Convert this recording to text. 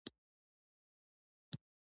خو لښکر ونه درېد.